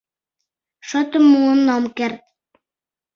Шотым муын ом керт.